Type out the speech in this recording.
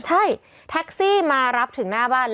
ใช่แท็กซี่มารับถึงหน้าบ้าน